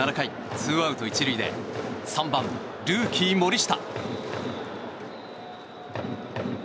ツーアウト１塁で３番、ルーキー森下。